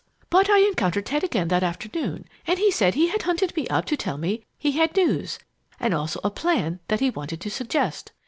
But I encountered Ted again that afternoon, and he said he had hunted me up to tell me he had news and also a plan that he wanted to suggest.